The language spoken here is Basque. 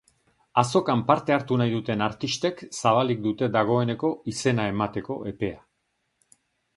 Azokan parte hartu nahi duten artistek zabalik dute dagoeneko izena emateko epea.